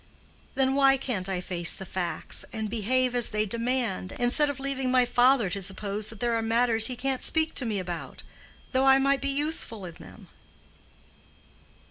Then why can't I face the facts, and behave as they demand, instead of leaving my father to suppose that there are matters he can't speak to me about, though I might be useful in them?"